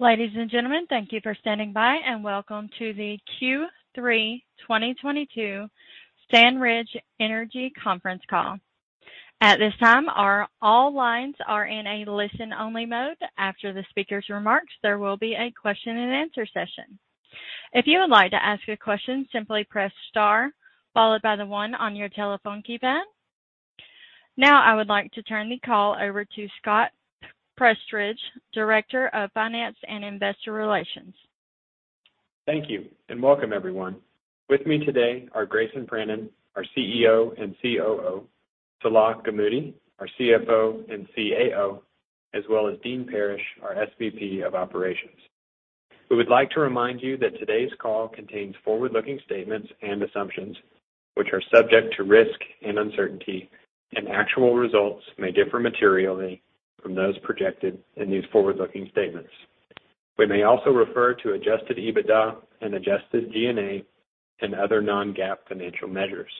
Ladies and gentlemen, thank you for standing by, and welcome to the Q3 2022 SandRidge Energy conference call. At this time, all lines are in a listen-only mode. After the speaker's remarks, there will be a question-and-answer session. If you would like to ask a question, simply press star followed by the one on your telephone keypad. Now, I would like to turn the call over to Scott Prestridge, Director of Finance and Investor Relations. Thank you, and welcome everyone. With me today are Grayson Pranin, our CEO and COO, Salah Gamoudi, our CFO and CAO, as well as Dean Parrish, our SVP of Operations. We would like to remind you that today's call contains forward-looking statements and assumptions, which are subject to risk and uncertainty, and actual results may differ materially from those projected in these forward-looking statements. We may also refer to adjusted EBITDA and adjusted G&A and other non-GAAP financial measures.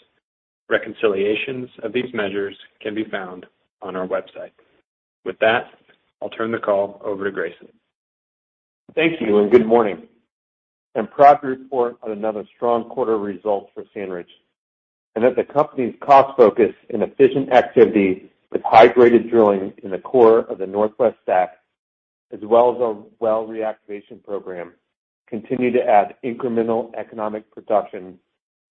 Reconciliations of these measures can be found on our website. With that, I'll turn the call over to Grayson. Thank you, and good morning. I'm proud to report on another strong quarter result for SandRidge. that the company's cost focus and efficient activity with high-graded drilling in the core of the Northwest STACK, as well as our well reactivation program, continue to add incremental economic production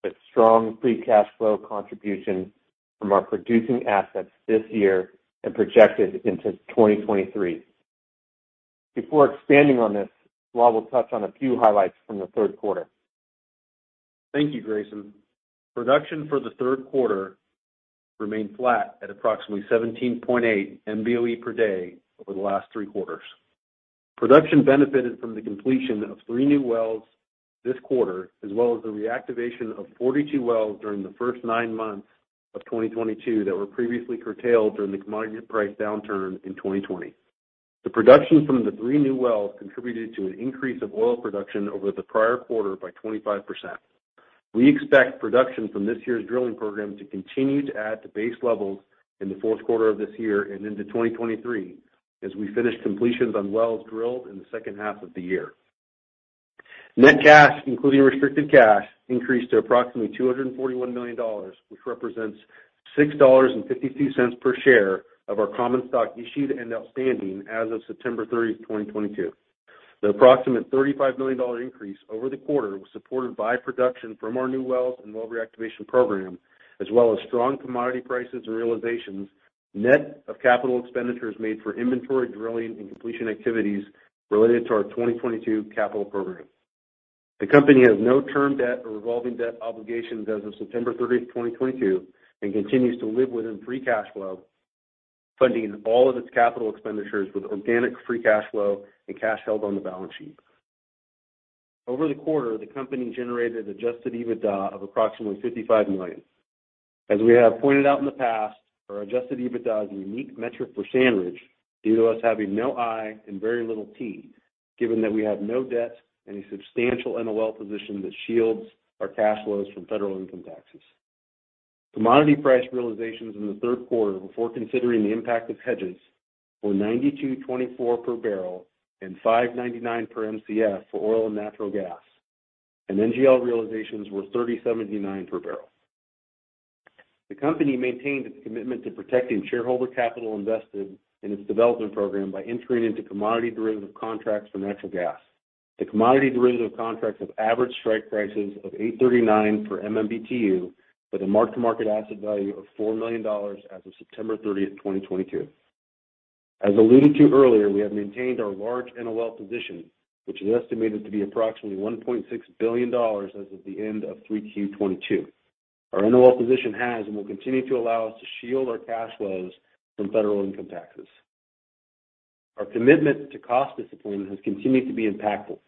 with strong free cash flow contribution from our producing assets this year and projected into 2023. Before expanding on this, Salah will touch on a few highlights from the third quarter. Thank you, Grayson. Production for the third quarter remained flat at approximately 17.8 MBOE per day over the last three quarters. Production benefited from the completion of three new wells this quarter, as well as the reactivation of 42 wells during the first nine months of 2022 that were previously curtailed during the commodity price downturn in 2020. The production from the three new wells contributed to an increase of oil production over the prior quarter by 25%. We expect production from this year's drilling program to continue to add to base levels in the fourth quarter of this year and into 2023, as we finish completions on wells drilled in the second half of the year. Net cash, including restricted cash, increased to approximately $241 million, which represents $6.52 per share of our common stock issued and outstanding as of September 30, 2022. The approximate $35 million increase over the quarter was supported by production from our new wells and well reactivation program, as well as strong commodity prices and realizations, net of capital expenditures made for inventory, drilling, and completion activities related to our 2022 capital program. The company has no term debt or revolving debt obligations as of September 30, 2022, and continues to live within free cash flow, funding all of its capital expenditures with organic free cash flow and cash held on the balance sheet. Over the quarter, the company generated adjusted EBITDA of approximately $55 million. As we have pointed out in the past, our adjusted EBITDA is a unique metric for SandRidge due to us having no I and very little T, given that we have no debt and a substantial NOL position that shields our cash flows from federal income taxes. Commodity price realizations in the third quarter, before considering the impact of hedges, were $92.24 per barrel and $5.99 per Mcf for oil and natural gas. NGL realizations were $30.79 per barrel. The company maintained its commitment to protecting shareholder capital invested in its development program by entering into commodity derivative contracts for natural gas. The commodity derivative contracts have average strike prices of $8.39 per MMBtu, with a mark-to-market asset value of $4 million as of September 30, 2022. As alluded to earlier, we have maintained our large NOL position, which is estimated to be approximately $1.6 billion as of the end of 3Q 2022. Our NOL position has and will continue to allow us to shield our cash flows from federal income taxes. Our commitment to cost discipline has continued to be impactful,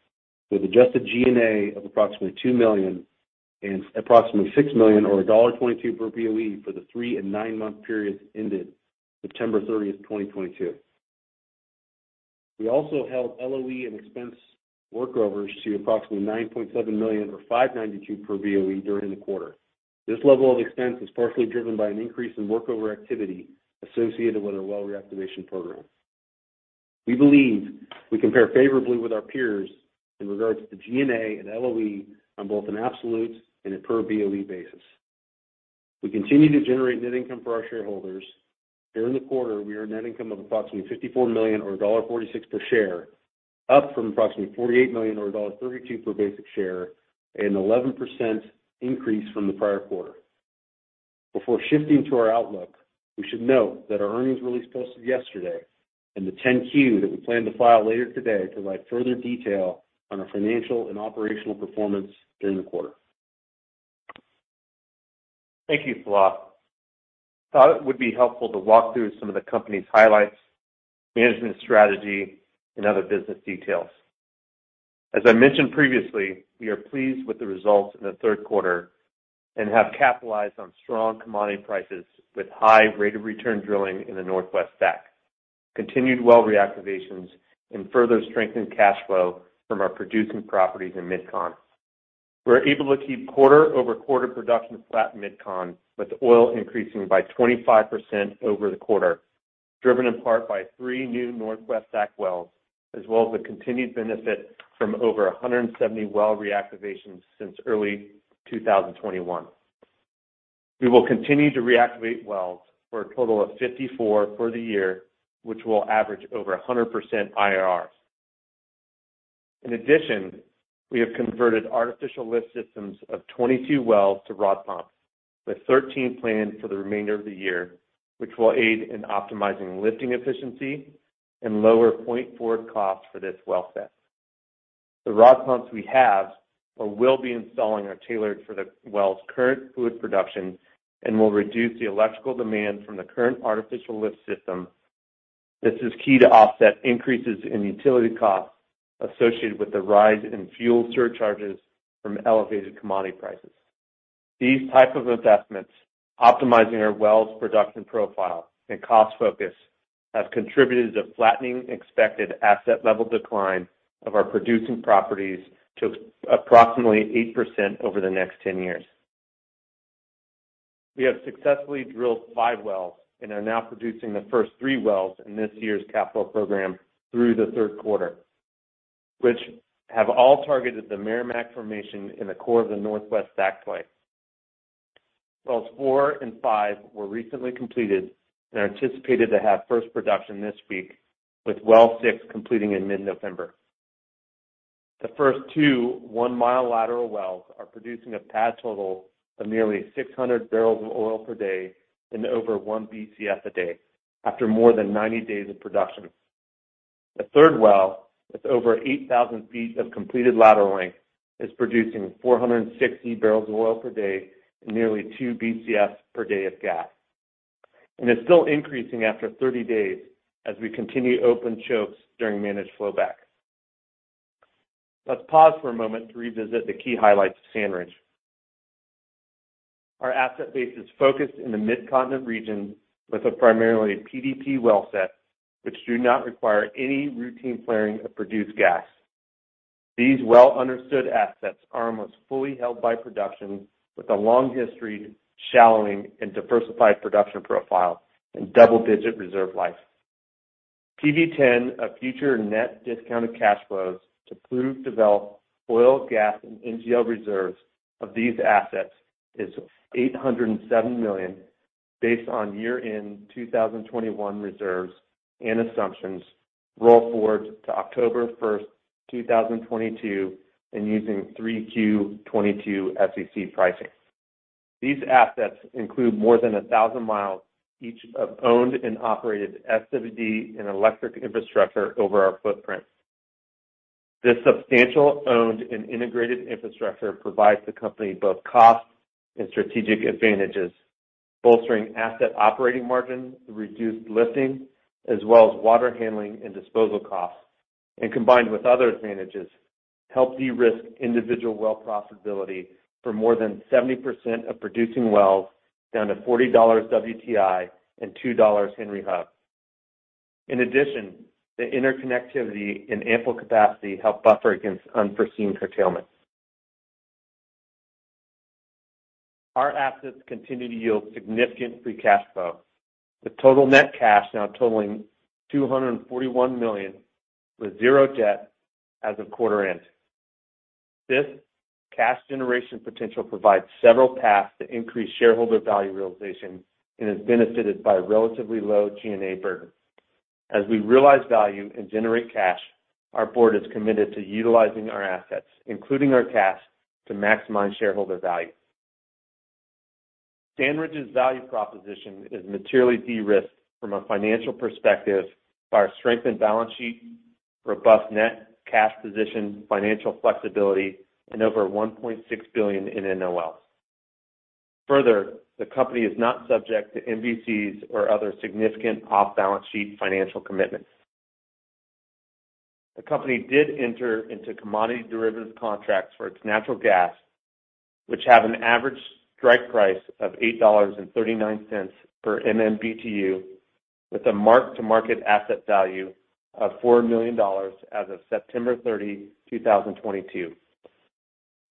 with adjusted G&A of approximately $2 million and approximately $6 million or $1.22 per BOE for the three and nine-month periods ended September 30, 2022. We also held LOE and expense workovers to approximately $9.7 million or $5.92 per BOE during the quarter. This level of expense was partially driven by an increase in workover activity associated with our well reactivation program. We believe we compare favorably with our peers in regards to G&A and LOE on both an absolute and a per BOE basis. We continue to generate net income for our shareholders. During the quarter, we had a net income of approximately $54 million or $1.46 per share, up from approximately $48 million or $1.32 per basic share, an 11% increase from the prior quarter. Before shifting to our outlook, we should note that our earnings release posted yesterday and the 10-Q that we plan to file later today provide further detail on our financial and operational performance during the quarter. Thank you, Salah. Thought it would be helpful to walk through some of the company's highlights, management strategy, and other business details. As I mentioned previously, we are pleased with the results in the third quarter and have capitalized on strong commodity prices with high rate of return drilling in the Northwest STACK, continued well reactivations, and further strengthened cash flow from our producing properties in MidCon. We're able to keep quarter-over-quarter production flat in MidCon, with oil increasing by 25% over the quarter, driven in part by three new Northwest STACK wells, as well as the continued benefit from over 170 well reactivations since early 2021. We will continue to reactivate wells for a total of 54 for the year, which will average over 100% IRR. In addition, we have converted artificial lift systems of 22 wells to rod pumps, with 13 planned for the remainder of the year, which will aid in optimizing lifting efficiency and lower 0.4 costs for this well set. The rod pumps we have or will be installing are tailored for the wells' current fluid production and will reduce the electrical demand from the current artificial lift system. This is key to offset increases in utility costs associated with the rise in fuel surcharges from elevated commodity prices. These type of investments, optimizing our wells production profile and cost focus, have contributed to flattening expected asset level decline of our producing properties to approximately 8% over the next 10 years. We have successfully drilled five wells and are now producing the first three wells in this year's capital program through the third quarter, which have all targeted the Meramec formation in the core of the Northwest STACK play. Wells four and five were recently completed and are anticipated to have first production this week, with well six completing in mid-November. The first two one-mile lateral wells are producing a pad total of nearly 600 barrels of oil per day and over 1 Bcf a day after more than 90 days of production. The third well, with over 8,000 feet of completed lateral length, is producing 460 barrels of oil per day and nearly 2 Bcf per day of gas, and is still increasing after 30 days as we continue open chokes during managed flowback. Let's pause for a moment to revisit the key highlights of SandRidge. Our asset base is focused in the Mid-Continent region with a primarily PDP well set, which do not require any routine flaring of produced gas. These well-understood assets are almost fully held by production with a long history, shallowing, and diversified production profile and double-digit reserve life. PV-10 of future net discounted cash flows to proved developed oil, gas, and NGL reserves of these assets is $807 million based on year-end 2021 reserves and assumptions roll forward to October 1st, 2022, and using 3Q 2022 SEC pricing. These assets include more than 1,000 miles each of owned and operated SWD and electric infrastructure over our footprint. This substantial owned and integrated infrastructure provides the company both cost and strategic advantages, bolstering asset operating margin, reduced lifting, as well as water handling and disposal costs, and combined with other advantages, help de-risk individual well profitability for more than 70% of producing wells down to $40 WTI and $2 Henry Hub. In addition, the interconnectivity and ample capacity help buffer against unforeseen curtailment. Our assets continue to yield significant free cash flow, with total net cash now totaling $241 million, with zero debt as of quarter end. This cash generation potential provides several paths to increase shareholder value realization and is benefited by relatively low G&A burden. As we realize value and generate cash, our board is committed to utilizing our assets, including our cash, to maximize shareholder value. SandRidge's value proposition is materially de-risked from a financial perspective by our strengthened balance sheet, robust net cash position, financial flexibility, and over $1.6 billion in NOLs. Further, the company is not subject to VPPs or other significant off-balance sheet financial commitments. The company did enter into commodity derivative contracts for its natural gas, which have an average strike price of $8.39 per MMBtu, with a mark-to-market asset value of $4 million as of September 30, 2022.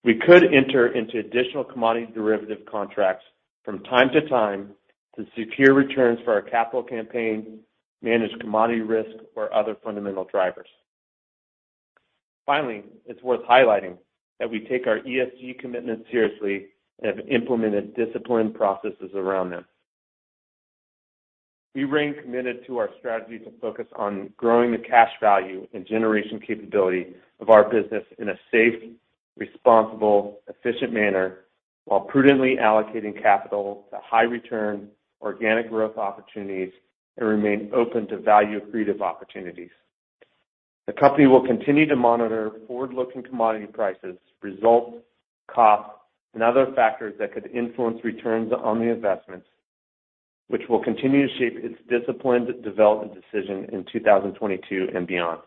We could enter into additional commodity derivative contracts from time to time to secure returns for our capital campaign, manage commodity risk or other fundamental drivers. Finally, it's worth highlighting that we take our ESG commitments seriously and have implemented disciplined processes around them. We remain committed to our strategy to focus on growing the cash value and generation capability of our business in a safe, responsible, efficient manner, while prudently allocating capital to high return organic growth opportunities and remain open to value accretive opportunities. The company will continue to monitor forward-looking commodity prices, results, costs, and other factors that could influence returns on the investments, which will continue to shape its disciplined development decision in 2022 and beyond.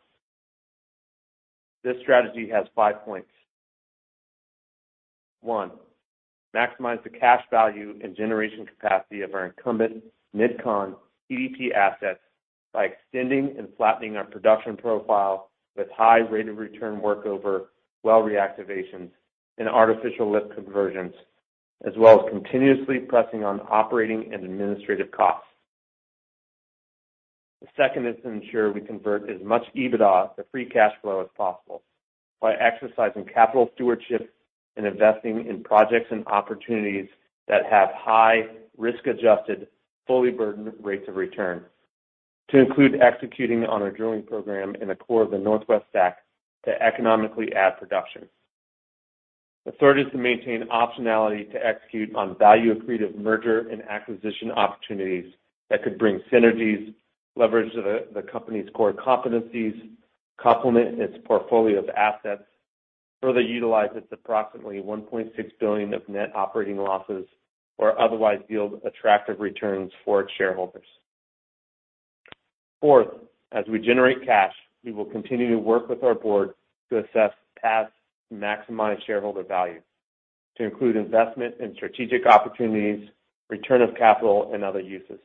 This strategy has 5.1. Maximize the cash value and generation capacity of our incumbent MidCon PDP assets by extending and flattening our production profile with high rate of return workover, well reactivations, and artificial lift conversions, as well as continuously pressing on operating and administrative costs. The second is to ensure we convert as much EBITDA to free cash flow as possible by exercising capital stewardship and investing in projects and opportunities that have high risk-adjusted, fully burdened rates of return, to include executing on our drilling program in the core of the Northwest STACK to economically add production. The third is to maintain optionality to execute on value-accretive merger and acquisition opportunities that could bring synergies, leverage the company's core competencies, complement its portfolio of assets, further utilize its approximately $1.6 billion of net operating losses, or otherwise yield attractive returns for its shareholders. Fourth, as we generate cash, we will continue to work with our board to assess paths to maximize shareholder value, to include investment in strategic opportunities, return of capital, and other uses.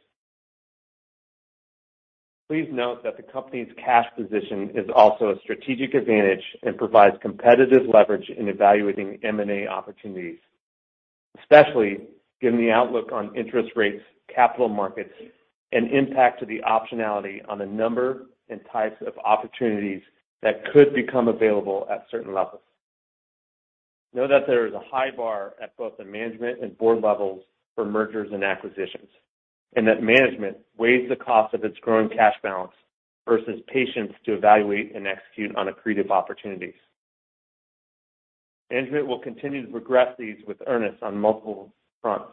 Please note that the company's cash position is also a strategic advantage and provides competitive leverage in evaluating M&A opportunities, especially given the outlook on interest rates, capital markets, and impact to the optionality on the number and types of opportunities that could become available at certain levels. Know that there is a high bar at both the management and board levels for mergers and acquisitions, and that management weighs the cost of its growing cash balance versus patience to evaluate and execute on accretive opportunities. Management will continue to progress these with earnest on multiple fronts,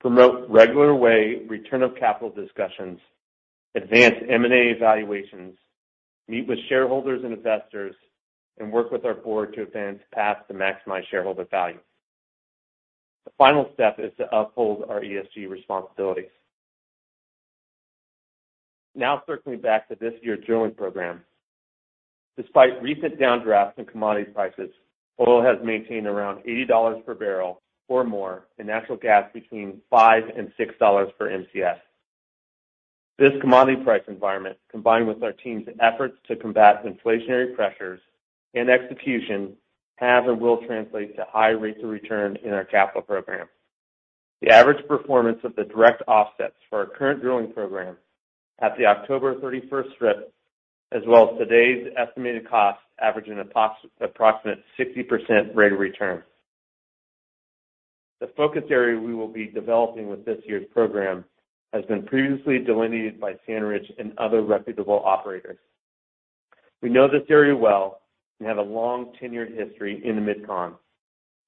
promote regular way return of capital discussions, advance M&A evaluations, meet with shareholders and investors, and work with our board to advance paths to maximize shareholder value. The final step is to uphold our ESG responsibilities. Now circling back to this year's drilling program. Despite recent downdrafts in commodity prices, oil has maintained around $80 per barrel or more, and natural gas between $5 and $6 per Mcf. This commodity price environment, combined with our team's efforts to combat inflationary pressures and execution, have and will translate to high rates of return in our capital program. The average performance of the direct offsets for our current drilling program at the October 31st strip, as well as today's estimated costs averaging approximate 60% rate of return. The focus area we will be developing with this year's program has been previously delineated by SandRidge and other reputable operators. We know this area well and have a long tenured history in the MidCon,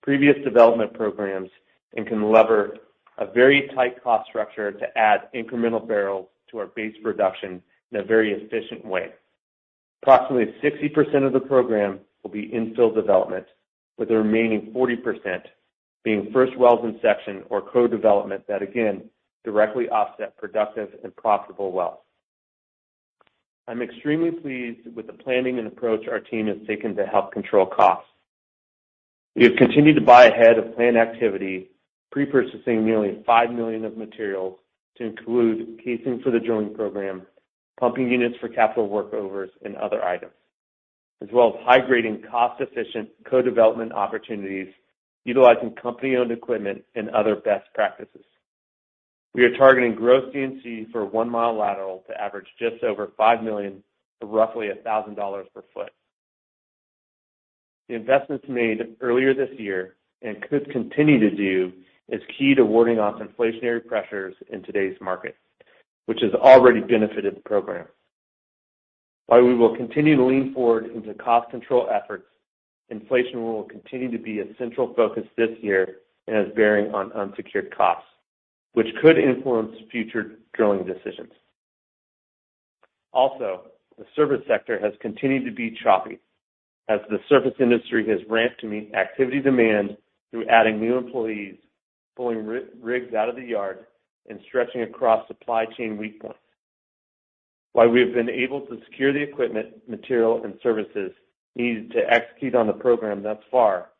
previous development programs, and can leverage a very tight cost structure to add incremental barrels to our base production in a very efficient way. Approximately 60% of the program will be infill development, with the remaining 40% being first wells in section or co-development that again directly offset productive and profitable wells. I'm extremely pleased with the planning and approach our team has taken to help control costs. We have continued to buy ahead of planned activity, pre-purchasing nearly $5 million of materials to include casing for the drilling program, pumping units for capital workovers, and other items, as well as high-grading cost-efficient co-development opportunities utilizing company-owned equipment and other best practices. We are targeting gross D&C for a one-mile lateral to average just over $5 million to roughly $1,000 per foot. The investments made earlier this year, and could continue to do, is key to warding off inflationary pressures in today's market, which has already benefited the program. While we will continue to lean forward into cost control efforts, inflation will continue to be a central focus this year and has bearing on unsecured costs, which could influence future drilling decisions. Also, the service sector has continued to be choppy as the service industry has ramped to meet activity demand through adding new employees, pulling rigs out of the yard, and stretching across supply chain weak points. While we have been able to secure the equipment, material, and services needed to execute on the program thus far,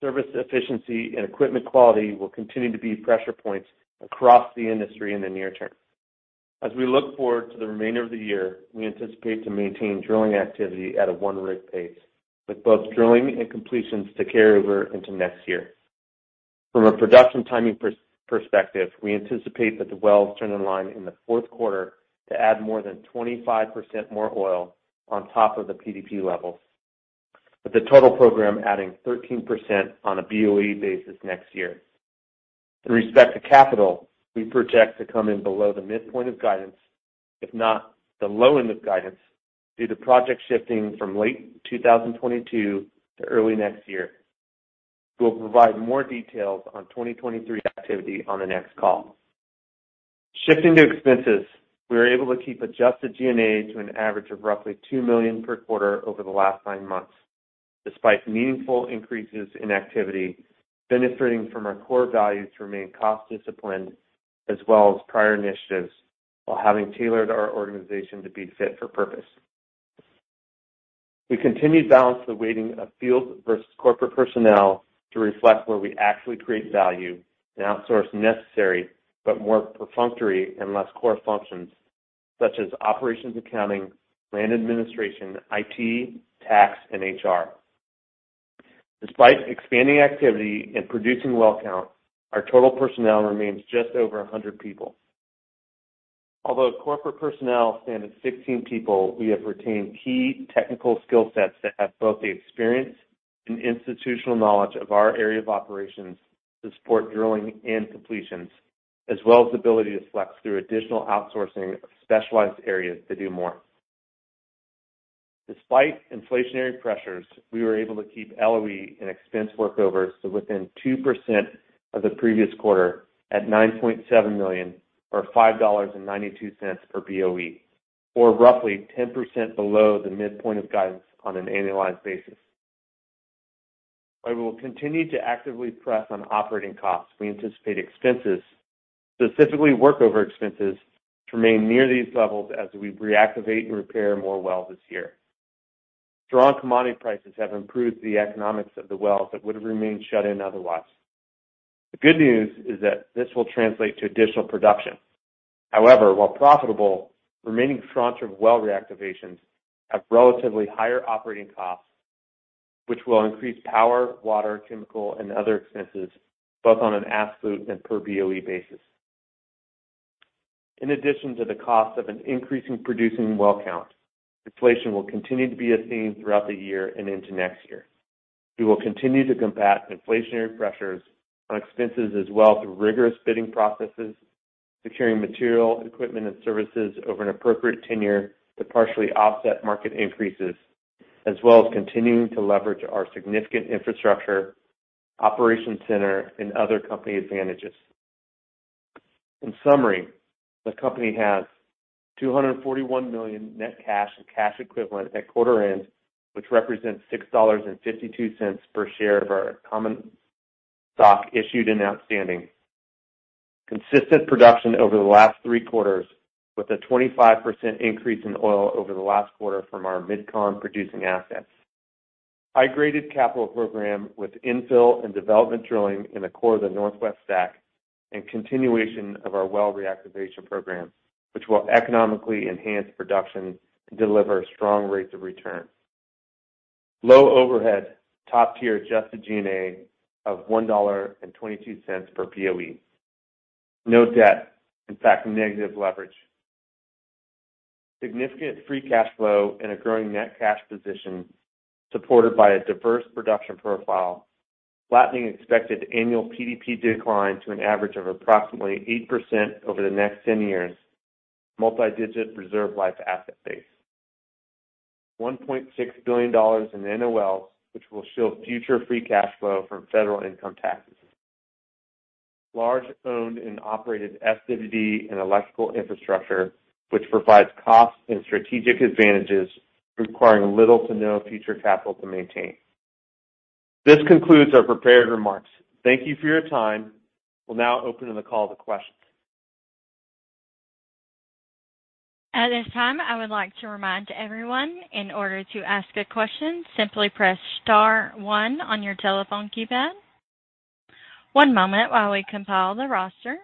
service efficiency and equipment quality will continue to be pressure points across the industry in the near term. As we look forward to the remainder of the year, we anticipate to maintain drilling activity at a one-rig pace, with both drilling and completions to carry over into next year. From a production timing perspective, we anticipate that the wells turn in line in the fourth quarter to add more than 25% more oil on top of the PDP levels, with the total program adding 13% on a BOE basis next year. With respect to capital, we project to come in below the midpoint of guidance, if not the low end of guidance, due to project shifting from late 2022 to early next year. We will provide more details on 2023 activity on the next call. Shifting to expenses, we were able to keep adjusted G&A to an average of roughly $2 million per quarter over the last nine months, despite meaningful increases in activity, benefiting from our core values to remain cost disciplined, as well as prior initiatives, while having tailored our organization to be fit for purpose. We continue to balance the weighting of field versus corporate personnel to reflect where we actually create value and outsource necessary but more perfunctory and less core functions such as operations accounting, land administration, IT, tax, and HR. Despite expanding activity and producing well count, our total personnel remains just over 100 people. Although corporate personnel stand at 16 people, we have retained key technical skill sets that have both the experience and institutional knowledge of our area of operations to support drilling and completions, as well as the ability to flex through additional outsourcing of specialized areas to do more. Despite inflationary pressures, we were able to keep LOE and expense workovers to within 2% of the previous quarter at $9.7 million, or $5.92 per BOE, or roughly 10% below the midpoint of guidance on an annualized basis. While we will continue to actively press on operating costs, we anticipate expenses, specifically workover expenses, to remain near these levels as we reactivate and repair more wells this year. Strong commodity prices have improved the economics of the wells that would have remained shut in otherwise. The good news is that this will translate to additional production. However, while profitable, remaining fronts of well reactivations have relatively higher operating costs, which will increase power, water, chemical and other expenses, both on an absolute and per BOE basis. In addition to the cost of an increasing producing well count, inflation will continue to be a theme throughout the year and into next year. We will continue to combat inflationary pressures on expenses as well through rigorous bidding processes, securing material, equipment, and services over an appropriate tenure to partially offset market increases, as well as continuing to leverage our significant infrastructure, operations center, and other company advantages. In summary, the company has $241 million net cash and cash equivalents at quarter end, which represents $6.52 per share of our common stock issued and outstanding. Consistent production over the last three quarters with a 25% increase in oil over the last quarter from our MidCon producing assets. High-graded capital program with infill and development drilling in the core of the Northwest STACK and continuation of our well reactivation program, which will economically enhance production and deliver strong rates of return. Low overhead, top-tier adjusted G&A of $1.22 per BOE. No debt, in fact, negative leverage. Significant free cash flow and a growing net cash position supported by a diverse production profile, flattening expected annual PDP decline to an average of approximately 8% over the next 10 years. Multi-digit reserve life asset base. $1.6 billion in NOLs, which will shield future free cash flow from federal income taxes. Large owned and operated SWD and electrical infrastructure, which provides cost and strategic advantages, requiring little to no future capital to maintain. This concludes our prepared remarks. Thank you for your time. We'll now open the call to questions. At this time, I would like to remind everyone, in order to ask a question, simply press star one on your telephone keypad. One moment while we compile the roster.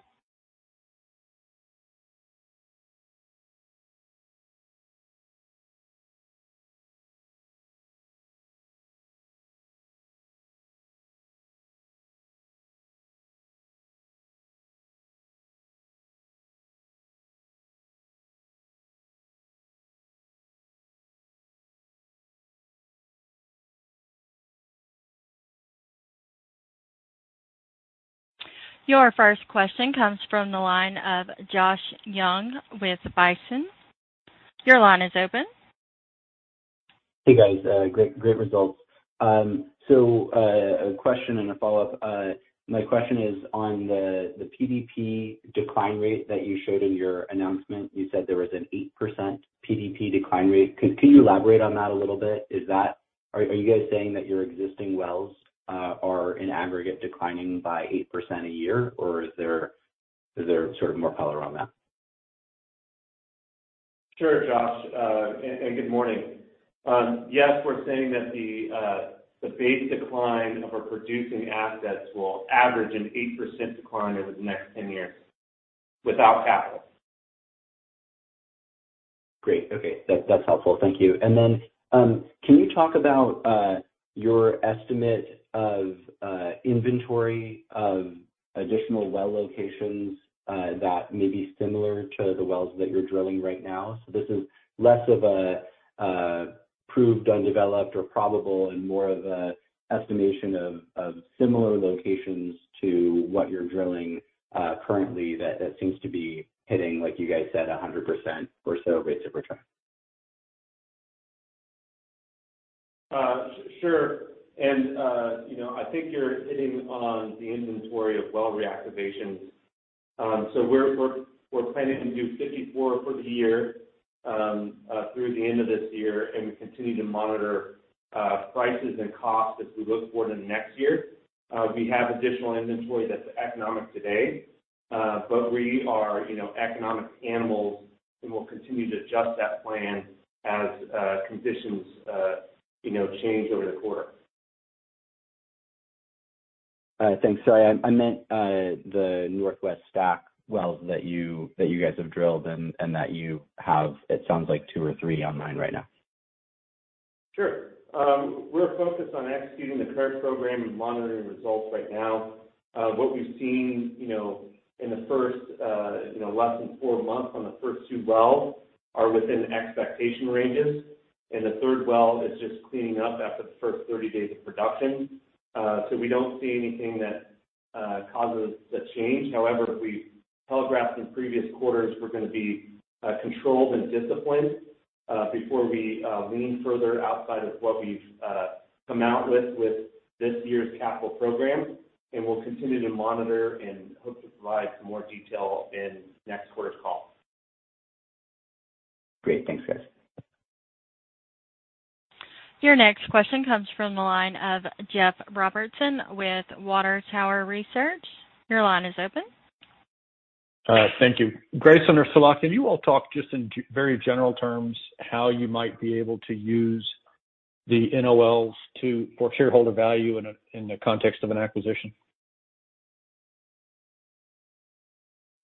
Your first question comes from the line of Josh Young with Bison. Your line is open. Hey, guys, great results. A question and a follow-up. My question is on the PDP decline rate that you showed in your announcement. You said there was an 8% PDP decline rate. Can you elaborate on that a little bit? Are you guys saying that your existing wells are in aggregate declining by 8% a year? Or is there sort of more color on that? Sure, Josh. Good morning. Yes, we're saying that the base decline of our producing assets will average an 8% decline over the next 10 years without capital. Great. Okay. That, that's helpful. Thank you. Can you talk about your estimate of inventory of additional well locations that may be similar to the wells that you're drilling right now? This is less of a proved undeveloped or probable and more of a estimation of similar locations to what you're drilling currently that seems to be hitting, like you guys said, 100% or so rates of return. Sure. You know, I think you're hitting on the inventory of well reactivations. We're planning to do 54 for the year through the end of this year, and we continue to monitor. Prices and costs as we look forward to next year. We have additional inventory that's economic today, but we are, you know, economic animals, and we'll continue to adjust that plan as conditions, you know, change over the quarter. Thanks. Sorry, I meant the Northwest STACK wells that you guys have drilled and that you have. It sounds like two or three online right now. Sure. We're focused on executing the current program and monitoring results right now. What we've seen, you know, in the first less than four months on the first two wells are within expectation ranges, and the third well is just cleaning up after the first 30 days of production. We don't see anything that causes a change. However, as we telegraphed in previous quarters, we're gonna be controlled and disciplined before we lean further outside of what we've come out with this year's capital program. We'll continue to monitor and hope to provide some more detail in next quarter's call. Great. Thanks, guys. Your next question comes from the line of Jeff Robertson with Water Tower Research. Your line is open. Thank you. Grayson or Salah, can you all talk just in very general terms how you might be able to use the NOLs to for shareholder value in a, in the context of an acquisition?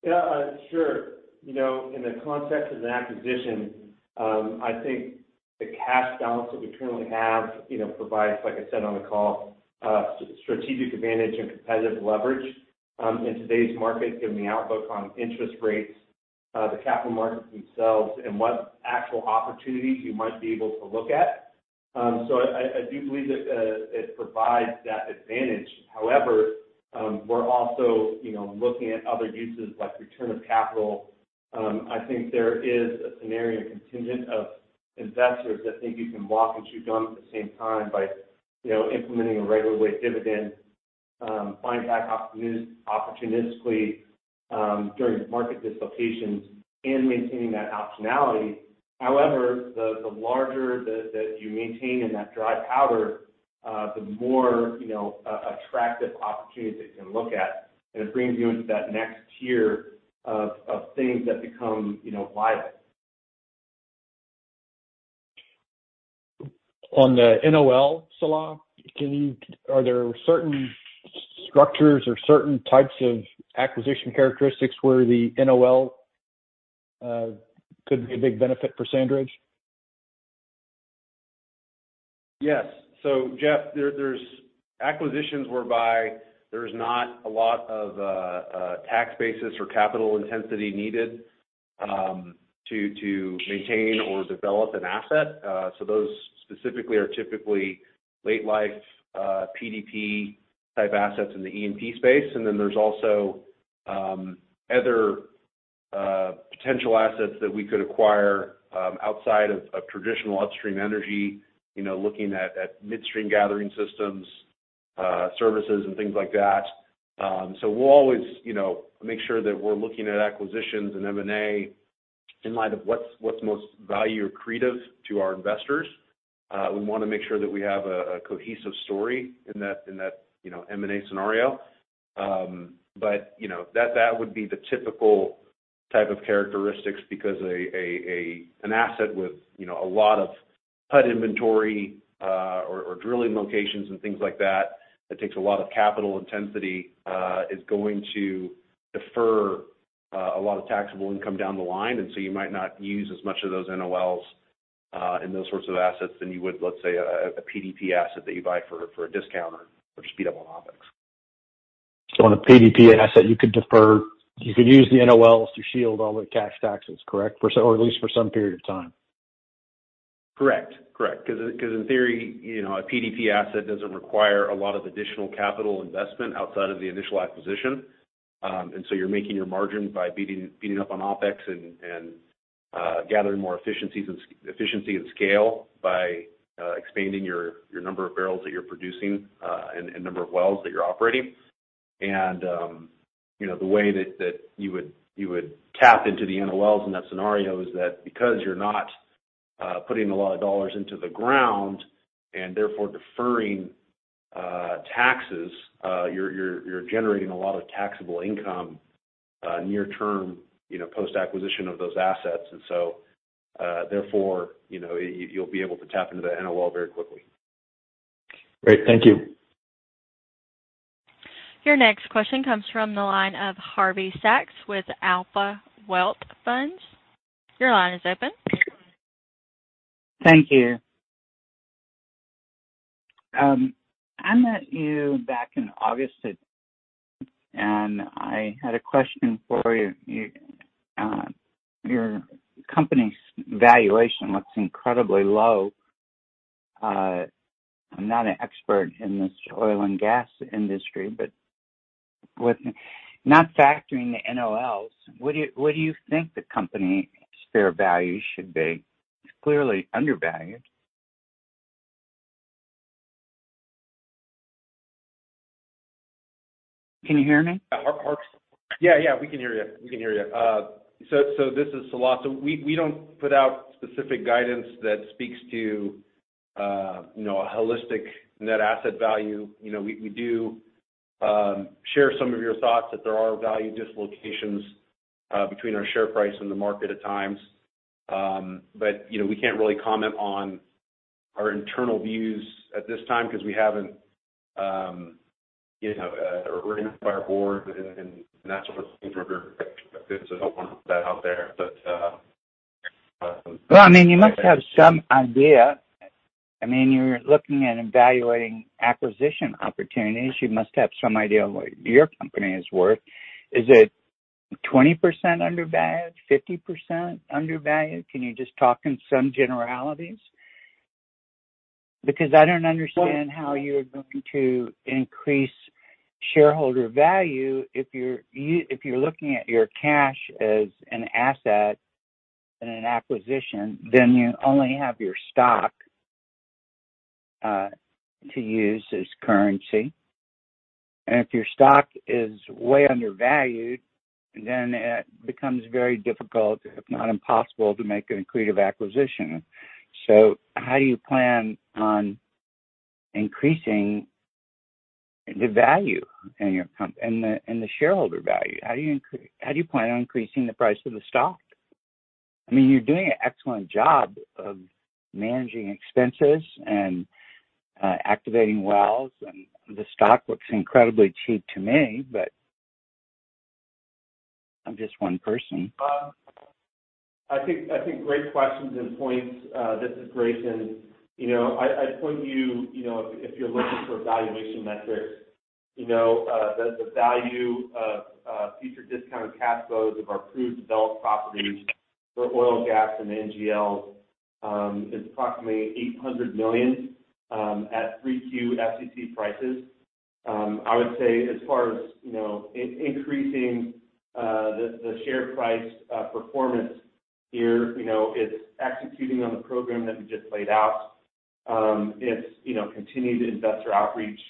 Yeah, sure. You know, in the context of an acquisition, I think the cash balance that we currently have, you know, provides, like I said on the call, strategic advantage and competitive leverage, in today's market, given the outlook on interest rates, the capital markets themselves and what actual opportunities you might be able to look at. I do believe that it provides that advantage. However, we're also, you know, looking at other uses like return of capital. I think there is a scenario contingent of investors that think you can walk and chew gum at the same time by, you know, implementing a regular way dividend, buying back opportunistically, during market dislocations and maintaining that optionality. However, the larger the that you maintain in that dry powder, the more, you know, attractive opportunities that you can look at, and it brings you into that next tier of things that become, you know, viable. On the NOL, Salah, are there certain structures or certain types of acquisition characteristics where the NOL could be a big benefit for SandRidge? Yes. Jeff, there's acquisitions whereby there's not a lot of tax basis or capital intensity needed to maintain or develop an asset. Those specifically are typically late life PDP type assets in the E&P space. There's also other potential assets that we could acquire outside of traditional upstream energy. You know, looking at midstream gathering systems, services and things like that. We'll always, you know, make sure that we're looking at acquisitions and M&A in light of what's most value accretive to our investors. We wanna make sure that we have a cohesive story in that M&A scenario. You know, that would be the typical type of characteristics. An asset with, you know, a lot of PUD inventory, or drilling locations and things like that takes a lot of capital intensity, is going to defer a lot of taxable income down the line. So you might not use as much of those NOLs in those sorts of assets than you would, let's say a PDP asset that you buy for a discount or just beat up on OpEx. On a PDP asset, you could use the NOLs to shield all the cash taxes, correct? Or at least for some period of time. Correct. Cause in theory, you know, a PDP asset doesn't require a lot of additional capital investment outside of the initial acquisition. You're making your margin by beating up on OpEx and gathering more efficiency and scale by expanding your number of barrels that you're producing and number of wells that you're operating. You know, the way that you would tap into the NOLs in that scenario is that because you're not putting a lot of dollars into the ground and therefore deferring taxes, you're generating a lot of taxable income near term, you know, post-acquisition of those assets. Therefore, you know, you'll be able to tap into the NOL very quickly. Great. Thank you. Your next question comes from the line of Harvey Sax with Alpha Wealth Funds. Your line is open. Thank you. I met you back in August. I had a question for you. Your company's valuation looks incredibly low. I'm not an expert in this oil and gas industry, but not factoring the NOLs, what do you think the company's fair value should be? It's clearly undervalued. Can you hear me? Yeah. We can hear you. This is Salah. We don't put out specific guidance that speaks to a holistic net asset value. You know, we do share some of your thoughts that there are value dislocations between our share price and the market at times. You know, we can't really comment on our internal views at this time because we haven't informed our board and natural resources. I don't want to put that out there. But. Well, I mean, you must have some idea. I mean, you're looking at evaluating acquisition opportunities. You must have some idea of what your company is worth. Is it 20% undervalued? 50% undervalued? Can you just talk in some generalities? Because I don't understand how you're going to increase shareholder value if you're if you're looking at your cash as an asset in an acquisition, then you only have your stock, to use as currency. If your stock is way undervalued, then it becomes very difficult, if not impossible, to make an accretive acquisition. How do you plan on increasing the value in the shareholder value? How do you plan on increasing the price of the stock? I mean, you're doing an excellent job of managing expenses and, activating wells, and the stock looks incredibly cheap to me, but I'm just one person. I think great questions and points. This is Grayson. You know, I point you know, if you're looking for valuation metrics, you know, the value of future discounted cash flows of our proved developed properties for oil and gas and NGL is approximately $800 million at 3Q SEC prices. I would say as far as, you know, increasing the share price performance here, you know, it's executing on the program that we just laid out. It's, you know, continued investor outreach,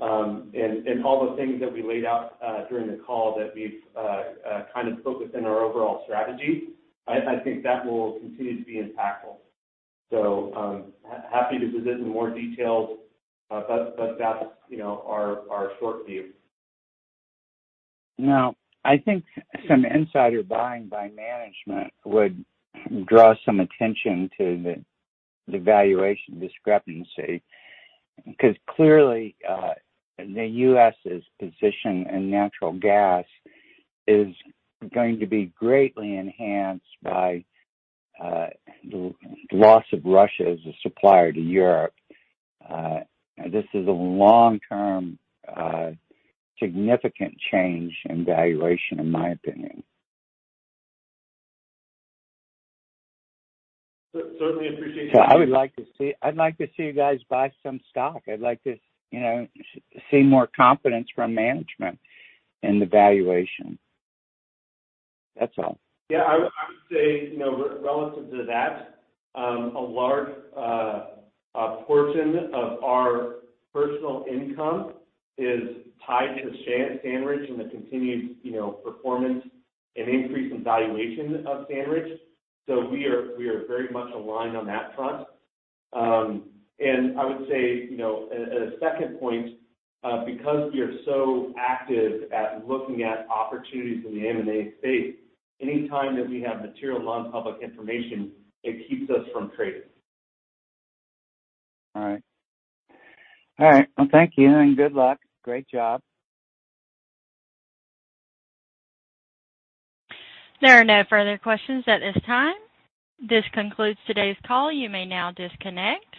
and all the things that we laid out during the call that we've kind of focused in our overall strategy. I think that will continue to be impactful. Happy to visit in more details. That's, you know, our short view. Now, I think some insider buying by management would draw some attention to the valuation discrepancy. Because clearly, the U.S.'s position in natural gas is going to be greatly enhanced by the loss of Russia as a supplier to Europe. This is a long-term significant change in valuation, in my opinion. Certainly appreciate. I'd like to see you guys buy some stock. I'd like to, you know, see more confidence from management in the valuation. That's all. Yeah. I would say, you know, relative to that, a large portion of our personal income is tied to SandRidge and the continued, you know, performance and increase in valuation of SandRidge. We are very much aligned on that front. I would say, you know, as a second point, because we are so active at looking at opportunities in the M&A space, any time that we have material non-public information, it keeps us from trading. All right. Well, thank you and good luck. Great job. There are no further questions at this time. This concludes today's call. You may now disconnect.